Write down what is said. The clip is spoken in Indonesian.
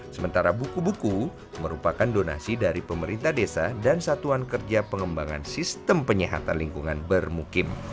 sementara buku buku merupakan donasi dari pemerintah desa dan satuan kerja pengembangan sistem penyihatan lingkungan bermukim